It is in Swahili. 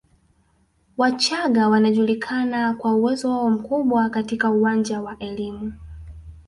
Wachagga wanajulikana kwa uwezo wao mkubwa katika uwanja wa elimu